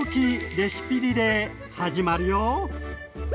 レシピリレー」始まるよ。